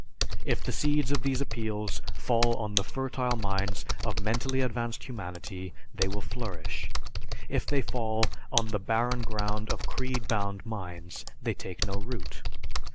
If the seeds of these appeals fall on the fertile minds of mentally advanced humanity, they will flourish; if they fall on the barren ground of creed bound minds, they take no root.